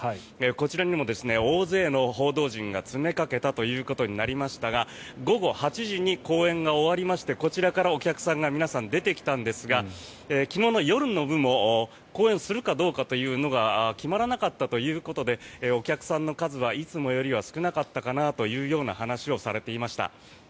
こちらにも大勢の報道陣が詰めかけたということになりましたが午後８時に公演が終わりましてこちらからお客さんが皆さん、出てきたんですが昨日の夜の部も公演するかどうかというのが決まらなかったということでお客さんの数はいつもよりは少なかったというような話をされていました。